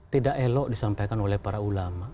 tidak elok disampaikan oleh para ulama